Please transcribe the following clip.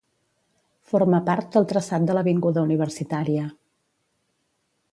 Forma part del traçat de l'avinguda Universitària.